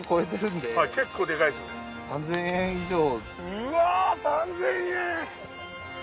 うわぁ３，０００円！